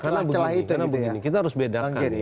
karena begini kita harus bedakan ya